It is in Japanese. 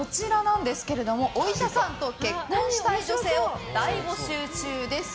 お医者さんと結婚したい女性を大募集中です。